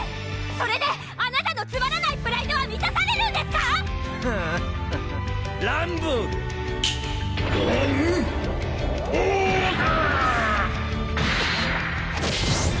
それであなたのつまらないプライドはみたされるんですか⁉ハハハランボーグランボーグ！